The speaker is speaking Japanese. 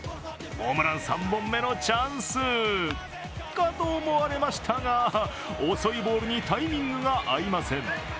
ホームラン３本目のチャンスかと思われましたが遅いボールにタイミングが合いません。